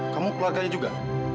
kamu keluarganya juga